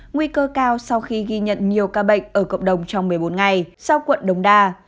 nguy cơ cao sau khi ghi nhận nhiều ca bệnh ở cộng đồng trong một mươi bốn ngày sau quận đống đa